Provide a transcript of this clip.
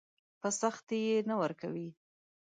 په سختي يې نه ورکوي.